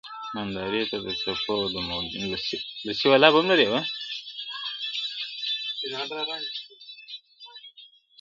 نندارې ته د څپو او د موجونو!!